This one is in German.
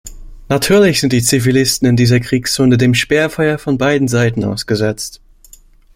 Natürlich sind die Zivilisten in dieser Kriegszone dem Sperrfeuer von beiden Seiten ausgesetzt.